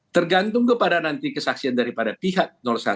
tergantung kepada nanti kesaksian daripada pihak satu